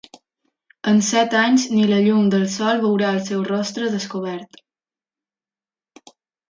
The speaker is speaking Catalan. En set anys ni la llum del sol veurà el seu rostre descobert.